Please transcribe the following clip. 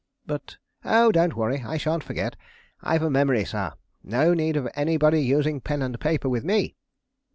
"But " "Oh, don't worry; I sha'n't forget. I've a memory, sir. No need of anybody using pen and paper with me."